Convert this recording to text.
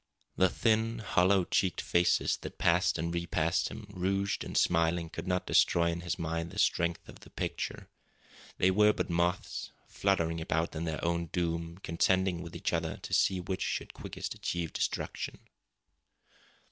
The thin, hollow cheeked faces that passed and repassed him, rouged and smiling, could not destroy in his mind the strength of the picture. They were but moths, fluttering about in their own doom, contending with each other to see which should quickest achieve destruction.